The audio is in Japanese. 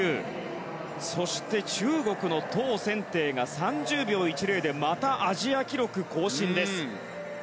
そして、中国のトウ・センテイが３０秒１０でまたアジア記録更新です。